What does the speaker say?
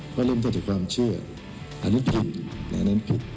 ว่าเริ่มเท่าที่ความเชื่ออันนี้ผิดอันนั้นผิด